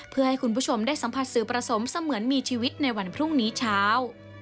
เพื่อให้คุณผู้ชมได้สัมผัสสื่อประสมเสมือนมีชีวิตในวันพรุ่งนี้เช้า